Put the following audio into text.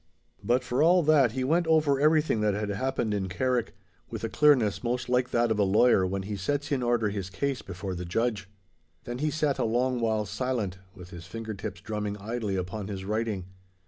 But, for all that, he went over everything that had happened in Carrick, with a clearness most like that of a lawyer when he sets in order his case before the judge. Then he sat a long while silent, with his finger tips drumming idly upon his writing.